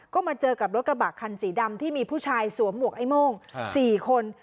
ก็มาเจอกับรถกระบะคันสีดำที่มีผู้ชายสวมหวกไอ้โม่ง๔คน